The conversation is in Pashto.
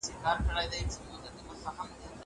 ليکلي پاڼي د زده کوونکي له خوا ترتيب کيږي!